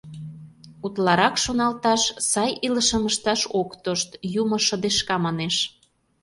Утларак шоналташ, сай илышым ышташ ок тошт, «юмо шыдешка» манеш.